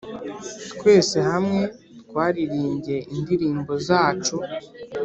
twese hamwe twaririmbye indirimbo zacu.